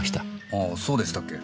ああそうでしたっけ？